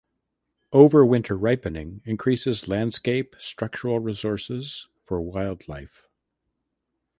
Overwinter ripening increases landscape structural resources for wildlife.